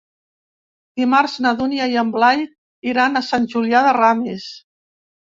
Dimarts na Dúnia i en Blai iran a Sant Julià de Ramis.